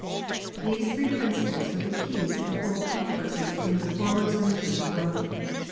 These three principles were the keys of the whole controversy between the Reformers and the Church of Rome.